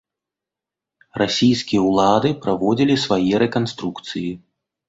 Расійскія ўлады праводзілі свае рэканструкцыі.